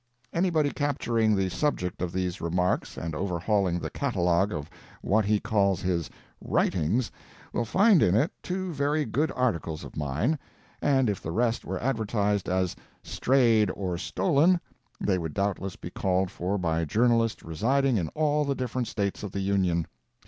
Anybody capturing the subject of these remarks and overhauling the catalogue of what he calls his "writings," will find in it two very good articles of mine, and if the rest were advertised as "strayed or stolen," they would doubtless be called for by journalists residing in all the different States of the Union.